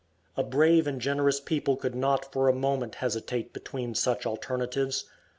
A brave and generous people could not for a moment hesitate between such alternatives.